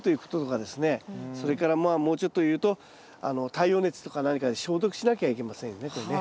それからまあもうちょっと言うと太陽熱とか何かで消毒しなきゃいけませんよねこれね。